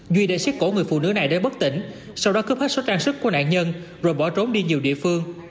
duy đã xiết cổ người phụ nữ này để bất tỉnh sau đó cướp hết số trang sức của nạn nhân rồi bỏ trốn đi nhiều địa phương